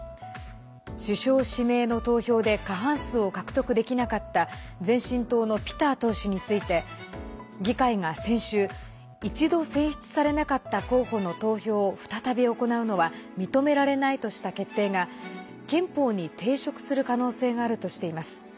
首相指名の投票で過半数を獲得できなかった前進党のピター党首について議会が先週一度選出されなかった候補の投票を再び行うのは認められないとした決定が憲法に抵触する可能性があるとしています。